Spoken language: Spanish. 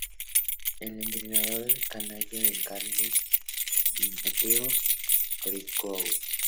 El entrenador "canalla" era Carlos Timoteo Griguol.